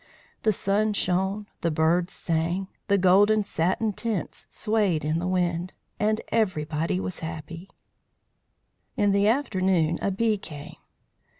The sun shone, the birds sang, the golden satin tents swayed in the wind, and everybody was happy. In the afternoon a bee came.